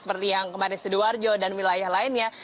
seperti yang kemarin sidoarjo dan wilayah lainnya